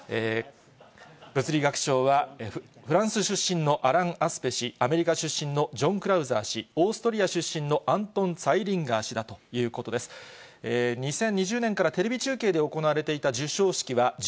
物理学賞はフランス出身のアラン・アスペ氏、アメリカ出身のジョン・クラウザー氏、オーストリア出身のアントン・ツァイリンガー氏だということです。ということです。